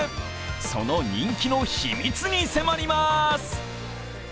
その人気の秘密に迫ります。